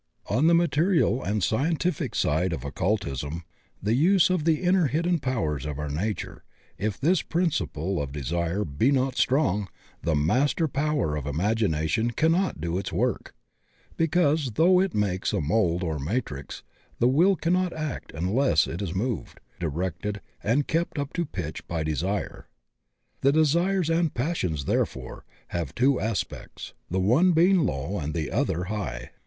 On the material and scientific side of occultism — ^the use of the inner hidden powers of our nature — ^if this principle of de sire be not strong, the master power of imagination cannot do its work, because though it makes a mould or matrix the will cannot act unless it is moved, di rected, and kept up to pitch by desire. The desires and passions, therefore, have two as pects, the one being low and the other high.